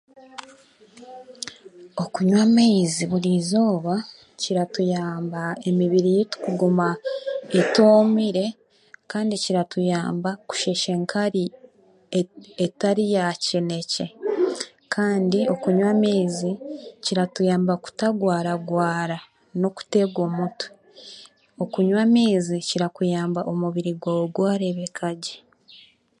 Okunywa amaizi burizooba kiratuyamba emibiri yaitu kugguma etoomire kandi kiratuyamba kusheesha enkari etari ya kinekye